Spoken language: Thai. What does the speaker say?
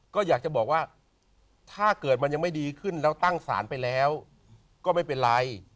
ก็อยากจะบอกว่าถ้าเกิดมันยังไม่ดีขึ้นแล้วตั้งศาลไปแล้วก็ไม่เป็นไร